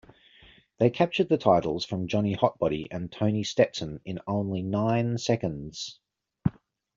They captured the titles from Johnny Hotbody and Tony Stetson in only nine seconds.